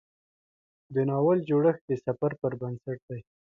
د ناول جوړښت د سفر پر بنسټ دی.